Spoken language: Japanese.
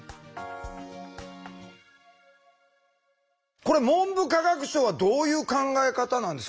これ文部科学省はどういう考え方なんですか？